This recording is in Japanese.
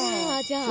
じゃあ。